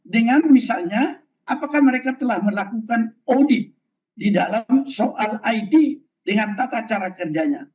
dengan misalnya apakah mereka telah melakukan audit di dalam soal it dengan tata cara kerjanya